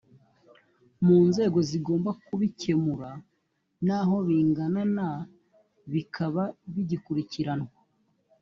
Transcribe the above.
mu nzego zigomba kubikemura naho bingana na bikaba bigikurikiranwa